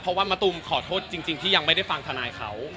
เพราะว่ามะตูมขอโทษจริงที่ยังไม่ได้ฟังทนายเขา